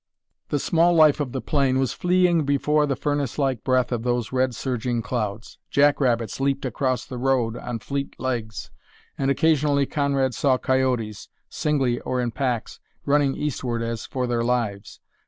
The small life of the plain was fleeing before the furnace like breath of those red, surging clouds. Jackrabbits leaped across the road on fleet legs, and occasionally Conrad saw coyotes, singly or in packs, running eastward as for their lives.